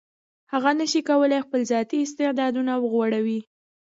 هغه نشي کولای خپل ذاتي استعدادونه وغوړوي.